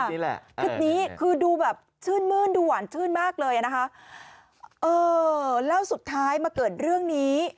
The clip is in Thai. นี่แหละคลิปนี้คือดูแบบชื่นมื้นดูหวานชื่นมากเลยอ่ะนะคะเออแล้วสุดท้ายมาเกิดเรื่องนี้